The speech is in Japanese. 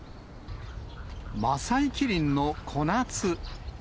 マサイキリンのコナツ。